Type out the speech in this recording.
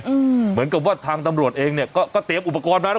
เหมือนกับว่าทางตำรวจเองเนี้ยก็ก็เตรียมอุปกรณ์มาแล้ว